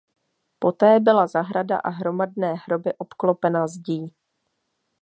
Poté byla zahrada a hromadné hroby obklopena zdí.